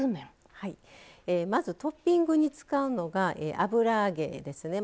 まずトッピングに使うのが油揚げですね。